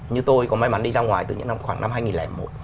như tôi có may mắn đi ra ngoài từ những khoảng năm hai nghìn một